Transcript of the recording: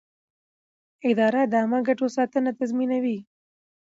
اداره د عامه ګټو ساتنه تضمینوي.